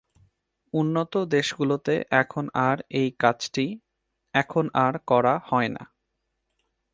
উন্নত দেশগুলোতে এখন আর এই কাজটি এখন আর করা হয়না।